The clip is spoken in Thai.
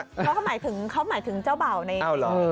เดี๋ยวเขาหมายถึงเขาหมายถึงเจ้าเบ่าในเอ้าเหรอ